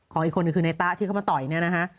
ของอีกคนนึงคือนายต๊ะที่เขามาต่อยนี่นะฮะ